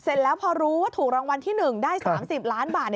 แล้วพอรู้ว่าถูกรางวัลที่๑ได้๓๐ล้านบาท